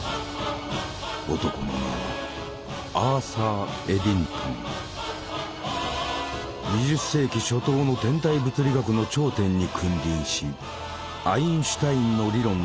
男の名は２０世紀初頭の天体物理学の頂点に君臨しアインシュタインの理論の真の理解者と呼ばれた。